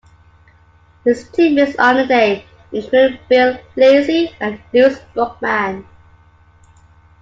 His teammates on the day included Bill Lacey and Louis Bookman.